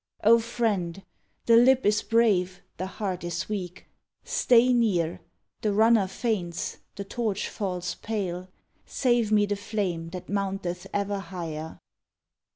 O Friend! The lip is brave, the heart is weak. Stay near. The runner faints the torch falls pale. Save me the flame that mounteth ever higher!